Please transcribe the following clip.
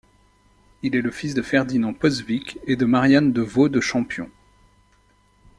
Il est le fils de Ferdinand Poswick et de Marianne de Vaulx de Champion.